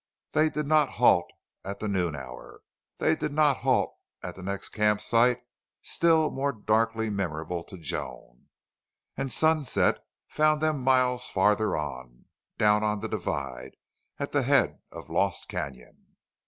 They did not halt at the noon hour. They did not halt at the next camp site, still more darkly memorable to Joan. And sunset found them miles farther on, down on the divide, at the head of Lost Canon.